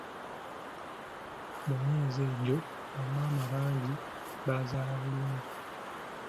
Mu myezi egyo, bamaama bangi baazaala bulungi.